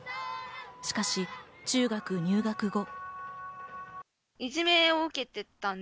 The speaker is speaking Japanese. しかし、中学入学後。